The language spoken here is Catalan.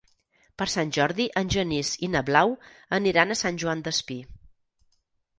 Per Sant Jordi en Genís i na Blau aniran a Sant Joan Despí.